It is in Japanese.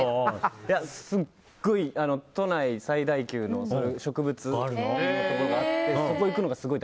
すごい、都内最大級の植物のところがあって。